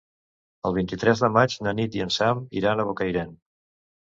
El vint-i-tres de maig na Nit i en Sam iran a Bocairent.